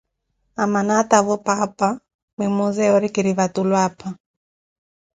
Amana atavo paapa, mmuuze yori kiri vatulu apha.